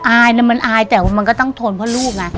อายนะมันอายแต่ว่ามันก็ต้องทนเพราะลูกไง